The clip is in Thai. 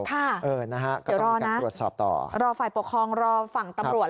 ค่ะเดี๋ยวรอนะรอฝ่ายปกครองรอฝั่งตำรวจ